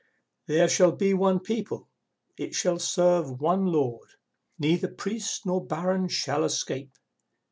There shall be one people, it shall serve one Lord, (Neither Priest nor Baron shall escape!)